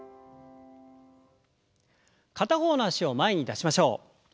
片方の脚を前に出しましょう。